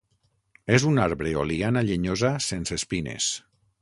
És un arbre o liana llenyosa sense espines.